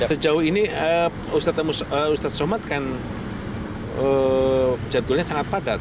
sejauh ini ustaz somad kan jadulnya sangat padat